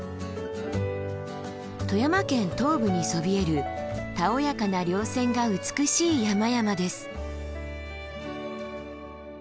富山県東部にそびえるたおやかな稜線が美しい山々です。